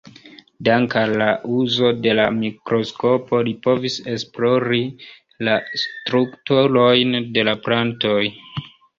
Dank'al la uzo de la mikroskopo li povis esplori la strukturojn de la plantoj.